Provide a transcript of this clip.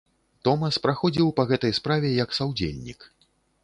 Томас праходзіў па гэтай справе як саўдзельнік.